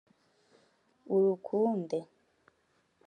urukunde